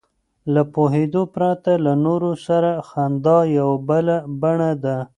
له پوهېدو پرته له نورو سره خندا یوه بله بڼه ده.